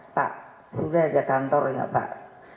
pak sudah ada kantornya pak